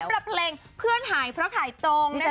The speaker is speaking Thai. เผลอเพลงเพื่อนหายเพราะขายตรงนะคะ